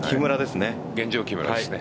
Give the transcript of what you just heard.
現状、木村ですね。